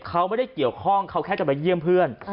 เขาไม่ได้เกี่ยวข้องเขาแค่จะไปเยี่ยมเพื่อน